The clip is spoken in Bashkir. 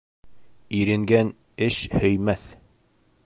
Иренгән эш һөймәҫ.